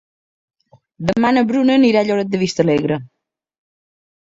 Demà na Bruna anirà a Lloret de Vistalegre.